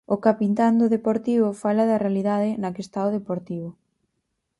O capitán do Deportivo fala da realidade na que está o Deportivo.